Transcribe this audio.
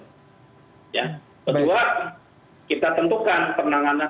kedua kita tentukan penanganan